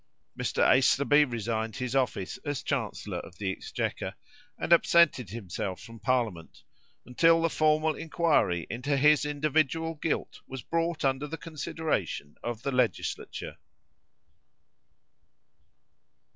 Mr. Aislabie resigned his office as Chancellor of the Exchequer, and absented himself from parliament, until the formal inquiry into his individual guilt was brought under the consideration of the legislature.